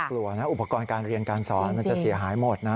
กลัวนะอุปกรณ์การเรียนการสอนมันจะเสียหายหมดนะ